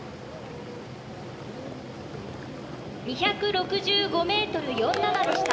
２６５．４７ｍでした。